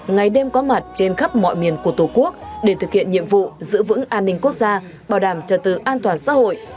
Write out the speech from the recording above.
ngày đêm có mặt trên khắp mọi miền của tổ quốc để thực hiện nhiệm vụ giữ vững an ninh quốc gia bảo đảm trật tự an toàn xã hội